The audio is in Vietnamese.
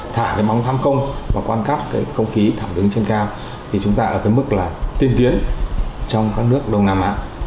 thả bóng thăm công và quan cấp công khí thẳng đứng trên cao thì chúng ta ở mức tiên tiến trong các nước đông nam á